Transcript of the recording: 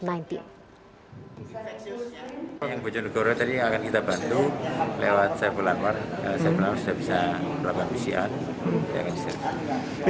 lewat saya berlaku saya berlaku sudah bisa melakukan pcr